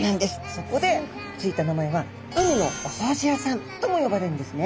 そこで付いた名前は海のお掃除屋さんとも呼ばれるんですね。